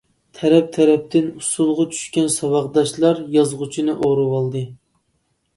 تەرەپ-تەرەپتىن ئۇسسۇلغا چۈشكەن ساۋاقداشلار يازغۇچىنى ئورىۋالدى.